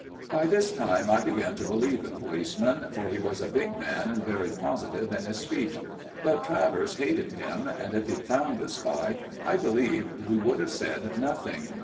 By this time I began to believe the policeman, for he was a big man and very positive in his speech; but Travers hated him, and if he'd found the spy, I believe he would have said nothing.